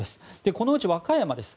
このうち和歌山です。